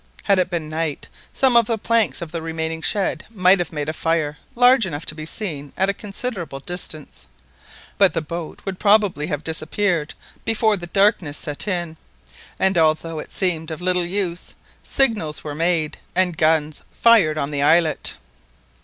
Had it been night some of the planks of the remaining shed might have made a fire large enough to be seen at a considerable distance, but the boat would probably have disappeared before the darkness set in; and, although it seemed of little use, signals were made, and guns fired on the islet.